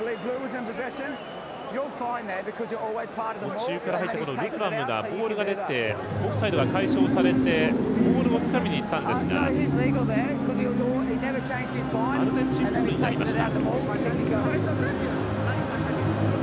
途中から入ったルドラムがオフサイドが解消されてボールをつかみにいったんですがアルゼンチンボールになりました。